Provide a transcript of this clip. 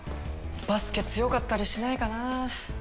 バスケ強かったりしないかな？